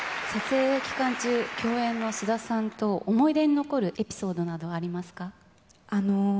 撮影期間中、共演の菅田さんと思い出に残るエピソードなどありますか。